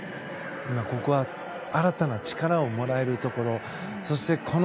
ここは新たな力をもらえるところ。